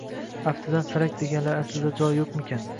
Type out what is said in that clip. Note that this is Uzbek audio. Aftidan, Falak deganlari aslida yo‘q joymikan?.